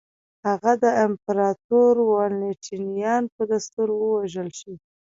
هغه د امپراتور والنټینیان په دستور ووژل شي.